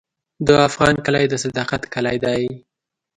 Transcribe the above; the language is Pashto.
د افغان کلی د صداقت کلی دی.